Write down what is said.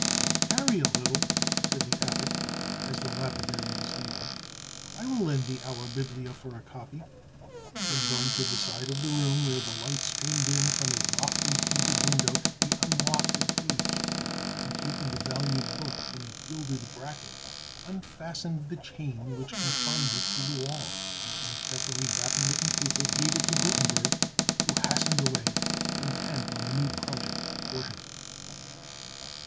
"Tarry a little," said the Abbot, as the lapidary was leaving; "I will lend thee our 'Biblia,' for a copy." Then going to the side of the room where the light streamed in from a lofty painted window, he unlocked a cage, and taking the valued book from a gilded bracket, unfastened the chain which confined it to the wall, and, carefully wrapping it in paper, gave it to Gutenberg, who hastened away, intent on the new project before him. [Illustration: BLOCK PRINTING FROM THE BIBLIA PAUPERUM.